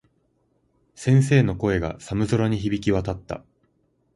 先生の声が、寒空に響き渡った。